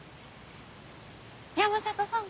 山里さん。